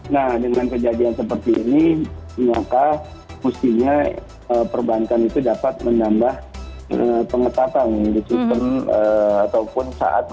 nah dengan kejadian seperti ini maka mestinya perbanten itu dapat menambah pengetahuan di sistem